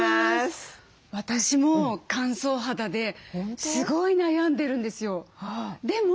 私も乾燥肌ですごい悩んでるんですよ。